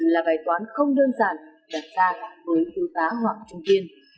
là bài toán không đơn giản đặt ra với tiêu tá hoàng trung tiên